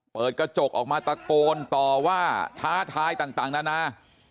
เปิดกระจกออกมาตะโกนต่อว่าท้าทายต่างนานา